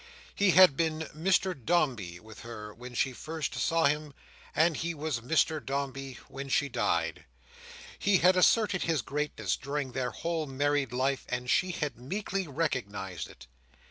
He had been "Mr Dombey" with her when she first saw him, and he was "Mr Dombey" when she died. He had asserted his greatness during their whole married life, and she had meekly recognised it.